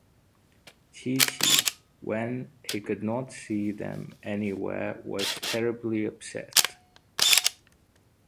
Chee-Chee, when he could not see them anywhere, was terribly upset.